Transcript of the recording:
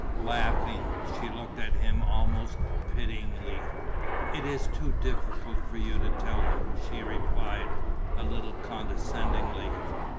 Laughing, she looked at him almost pityingly: "It is too difficult for you to tell her," she replied, a little condescendingly.